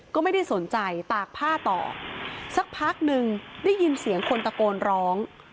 ก็ไม่ได้สนใจตากผ้าต่อสักพักหนึ่งได้ยินเสียงคนตะโกนร้อง